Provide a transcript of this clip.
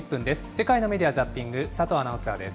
世界のメディア・ザッピング、佐藤アナウンサーです。